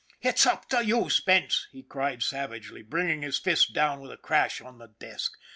" It's up to you, Spence," he cried savagely, bringing his fist down with a crash on the desk.